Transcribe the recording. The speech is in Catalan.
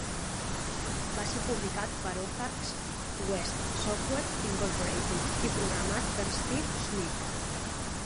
Va ser publicat per Ozarks West Software Incorporated i programat per Steve Sneed.